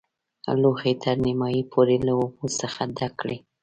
لوښی تر نیمايي پورې له اوبو څخه ډک کړئ.